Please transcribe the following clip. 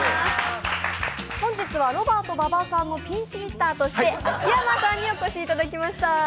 本日はロバート馬場のピンチヒッターとして秋山さんにお越しいただきました。